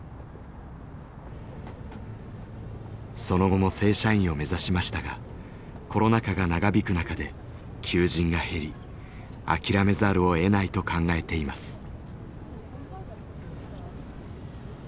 その後も正社員を目指しましたがコロナ禍が長引く中で求人が減り諦めざるをえないと考えています。